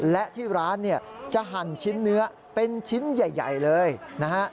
และที่ร้านเนี่ยจะหั่นชิ้นเนื้อเป็นชิ้นใหญ่เลยนะฮะ